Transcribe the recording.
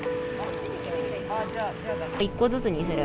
一個ずつにする？